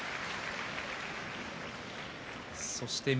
そして翠